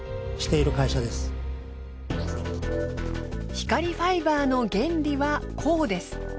光ファイバーの原理はこうです。